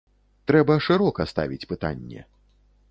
Трэба шырока ставіць пытанне.